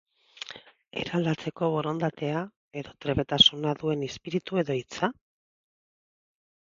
Eraldatzeko borondatea edo trebetasuna duen izpiritu edo hitza?